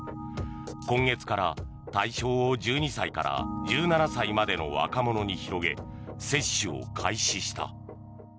今月から対象を１２歳から１７歳までの若者に広げ接種を開始した。